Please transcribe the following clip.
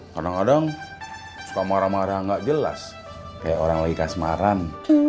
kadang kadang suka marah marah nggak jelas kayak orang lagi kasmaran